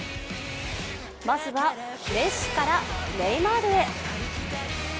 まずはメッシからネイマールへ。